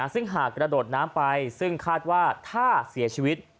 ซึ่งหากกระโดดน้ำไปซึ่งคาดว่าถ้าเสียชีวิต